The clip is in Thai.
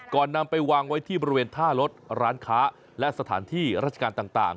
นำไปวางไว้ที่บริเวณท่ารถร้านค้าและสถานที่ราชการต่าง